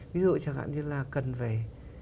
ví dụ chẳng hạn như là cần phải